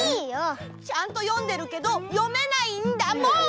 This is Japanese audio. ちゃんと読んでるけど読めないんだもん！